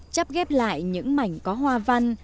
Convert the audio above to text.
chắp ghép lại những mảnh có hoa văn